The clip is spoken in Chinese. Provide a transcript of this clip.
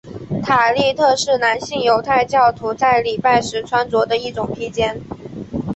塔利特是男性犹太教徒在礼拜时穿着的一种披肩。